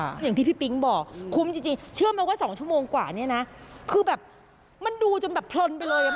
อย่างที่พี่ปิ๊งบอกคุ้มจริงจริงเชื่อไหมว่า๒ชั่วโมงกว่าเนี่ยนะคือแบบมันดูจนแบบเพลินไปเลยอ่ะ